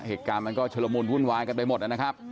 เหตุการณ์มันก็ชุลมูลวุ่นวายกันไปหมดนะครับ